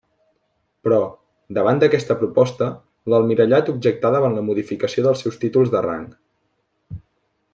Però, davant d'aquesta proposta, l'Almirallat objectà davant la modificació dels seus títols de rang.